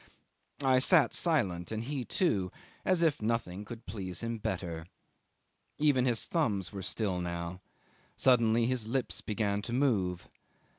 I sat silent, and he too, as if nothing could please him better. Even his thumbs were still now. Suddenly his lips began to move.